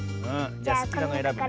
じゃすきなのえらぶね。